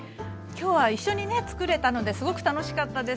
今日は一緒にねつくれたのですごく楽しかったです。